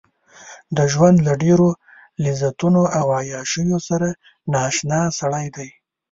د ژوند له ډېرو لذتونو او عياشيو سره نااشنا سړی دی.